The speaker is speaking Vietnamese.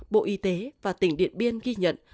bộ y tế và tỉnh điện biên ghi nhận